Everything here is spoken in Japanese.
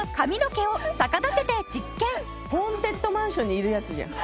ホーンテッドマンションにいるやつじゃん。